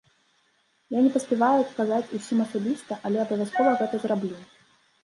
Я не паспяваю адказаць усім асабіста, але абавязкова гэта зраблю.